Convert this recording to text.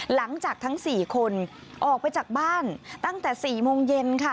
หลังจากทั้ง๔คนออกไปจากบ้านตั้งแต่๔โมงเย็นค่ะ